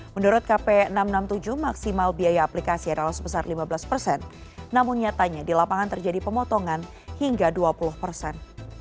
menurut kp enam ratus enam puluh tujuh maksimal biaya aplikasi adalah sebesar lima belas persen namun nyatanya di lapangan terjadi pemotongan hingga dua puluh persen